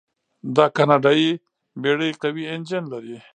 دا کاناډایي بیړۍ قوي انجن لري.